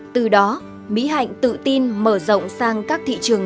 từ đó mỹ hạnh tự tin mở rộng sang các thị trường